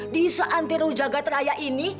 di saat rujagat raya ini